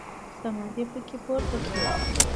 صمد يې په کې پورته کړ.